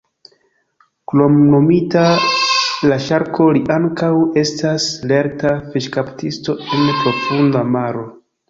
Kromnomita "La Ŝarko", li ankaŭ estas lerta fiŝkaptisto en profunda maro.